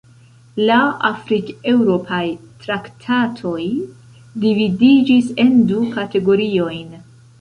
La afrikeŭropaj traktatoj dividiĝis en du kategoriojn.